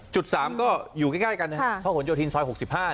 จุด๓ก็อยู่ใกล้กันนะครับประหลโยธิน๖๕นะครับ